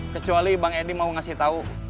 kecuali bang edi mau ngasih tahu